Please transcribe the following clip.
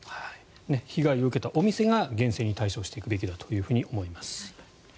被害を受けたお店が厳正に対処していくべきだと思います。